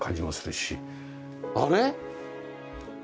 あれ！？